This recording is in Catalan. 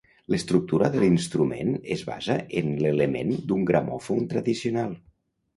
L'estructura de l'instrument es basa en l'element d'un gramòfon tradicional.